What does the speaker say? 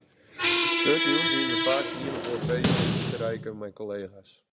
Sneontejûns hiene we faak ien of oar feestje of iterijke mei kollega's.